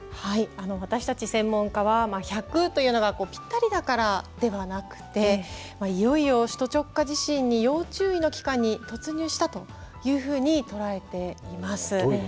私たち専門家は１００というのがぴったりだからではなくていよいよ首都直下地震に要注意の期間に突入したというふうに捉えています。